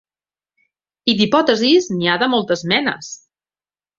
I d'hipòtesis n'hi ha de moltes menes.